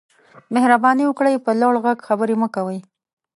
مهرباني وکړئ په لوړ غږ خبرې مه کوئ